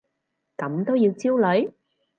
咁都要焦慮？